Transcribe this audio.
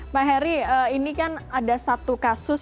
pak heri ini kan ada satu kasus